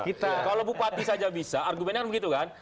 kalau bupati saja bisa argumennya kan begitu kan